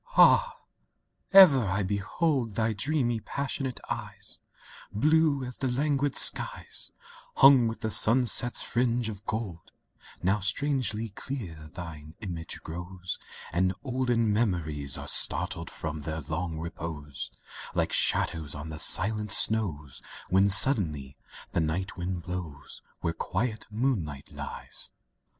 III Ah I ever I behold Thy dreamy, passionate eyes, Blue as the languid skies Hung with the sunset's fringe of gold; Now strangely clear thine image grows, And olden memories Are startled from their long repose Like shadows on the silent snows When suddenly the night wind blows Where quiet moonlight ties.